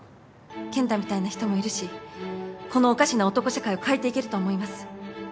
健太みたいな人もいるしこのおかしな男社会を変えていけると思います。